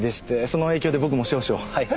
その影響で僕も少々はい。